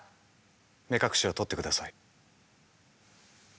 目隠しを取ってください。